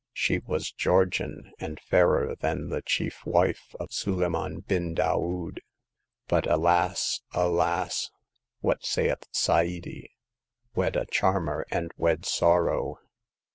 She was Georgian, and fairer than the chief wife of Sulieman bin Daoud. But alas ! alas J. what saith Sa'adi ;* Wed a charmer and wed sorrow